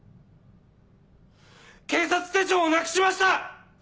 警察手帳をなくしました！